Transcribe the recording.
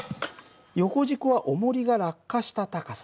横軸はおもりが落下した高さだ。